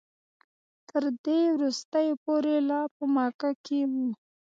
دی تر دې وروستیو پورې لا په مکه کې و.